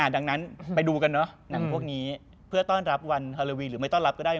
ดังนั้นไปดูกันเนอะหนังพวกนี้เพื่อต้อนรับวันฮาโลวีนหรือไม่ต้อนรับก็ได้